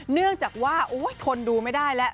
เนื่องจากว่าทนดูไม่ได้แล้ว